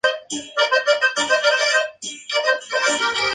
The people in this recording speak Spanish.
Acusó a la masonería de conspiración en la Revolución francesa.